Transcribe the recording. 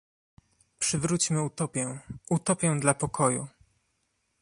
Przywróćmy utopię, utopię dla pokoju!